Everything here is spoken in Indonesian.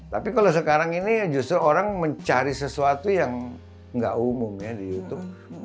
tapi kalau sekarang ini justru orang mencari sesuatu yang nggak umum ya di youtube